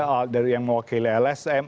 ada yang mewakili lsm